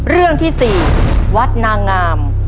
เรื่องที่๔วัดนางงาม